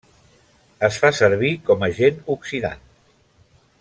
Es fa servir com agent oxidant.